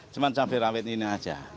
cuma cabai rawit ini aja